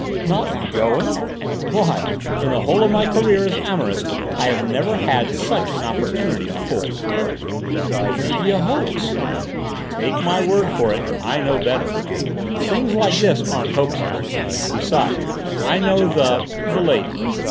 "Not going? Why, in the whole of my career as amorist, I have never had such an opportunity before!" "It may be a hoax." "Take my word for it, I know better. Things like this aren't hoaxes. Besides, I know the the lady.